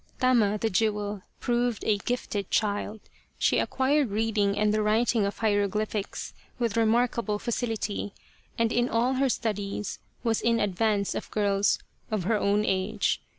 Tama, the Jewel, proved a gifted child. She ac quired reading and the writing of hieroglyphics with remarkable facility, and in all her studies was in ad vance of girls of her own age.